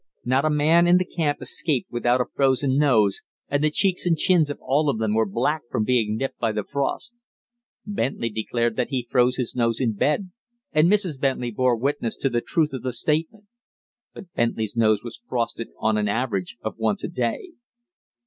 Not a man in the camp escaped without a frozen nose and the cheeks and chins of all of them were black from being nipped by the frost. Bently declared that he froze his nose in bed, and Mrs. Bently bore witness to the truth of the statement. But Bently's nose was frosted on an average of once a day.